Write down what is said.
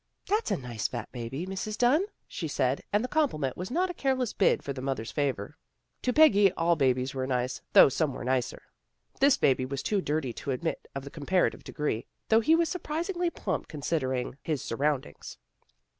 " That's a nice fat baby, Mrs. Dunn," she said, and the compliment was not a careless bid for the mother's favor. To Peggy all babies were nice, though some were nicer. This baby was too dirty to admit of the comparative degree, though he was surprisingly plump considering ois surroundings.